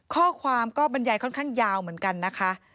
ข้อความก็บรรยายค่อนข้างยาวเหมือนกันนะคะ